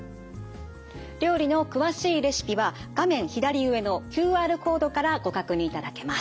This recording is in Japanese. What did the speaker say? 料理の詳しいレシピは画面左上のＱＲコードからご確認いただけます。